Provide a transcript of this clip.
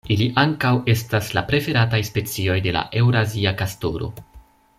Ili ankaŭ estas la preferataj specioj de la eŭrazia kastoro.